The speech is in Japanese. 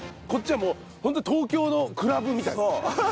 こっちはもうホントに東京のクラブみたい。